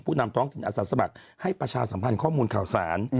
ผู้นำท้องจิตอสัตว์สมัครให้ประชาสัมพันธ์ข้อมูลข่าวสาร